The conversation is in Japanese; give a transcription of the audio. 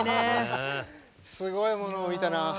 すごいものを見たな。